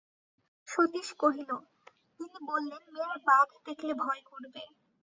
সতীশ কহিল, তিনি বললেন, মেয়েরা বাঘ দেখলে ভয় করবে।